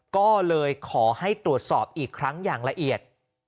ก็เลยขอให้ตรวจสอบอีกครั้งอย่างละเอียด